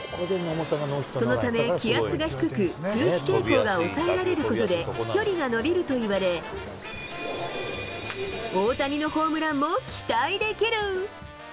そのため気圧が低く、空気抵抗が抑えられることで、飛距離が伸びるといわれ、大谷のホームランも期待できる。